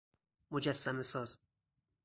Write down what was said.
مجسمه ساز